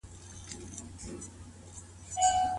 ايا حضرت علي د نکاح ملاتړ وکړ؟